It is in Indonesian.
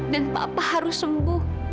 dan papa harus sembuh